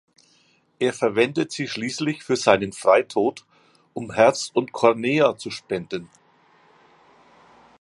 Er verwendet sie schließlich für seinen Freitod, um Herz und Cornea zu spenden.